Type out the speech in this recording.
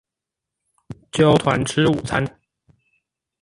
揪團吃午餐